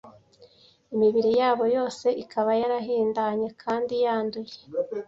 imibiri yabo yose ikaba yarahindanye kandi yanduye.